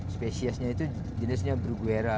spesiesnya itu jenisnya bruguera